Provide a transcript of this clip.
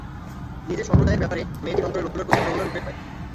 নিজের সম্প্রদায়ের ব্যাপারে মেয়েটির অন্তরে লোকগুলোর প্রতি করুণার উদ্রেক হয়।